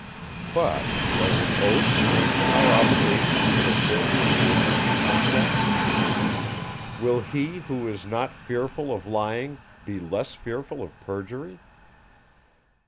_ But, does an oath strengthen our obligation to fulfil the engagements contracted? Will he, who is not fearful of lying, be less fearful of perjury?